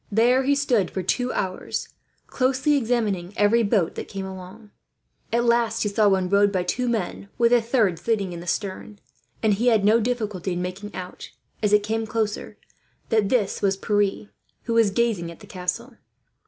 There he stood for two hours, closely examining every boat that came along. At last he saw one rowed by two men, with a third sitting in the stern; and had no difficulty in making out, as it came closer, that this was Pierre, who was gazing at the castle.